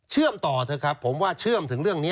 ต่อเถอะครับผมว่าเชื่อมถึงเรื่องนี้